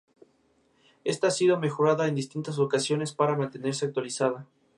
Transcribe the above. Existe dentro del universo compartido principal de Marvel.